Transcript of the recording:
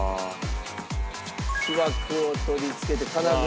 「木枠を取り付けて金具をセット」